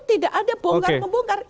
tidak ada bongkar bongkar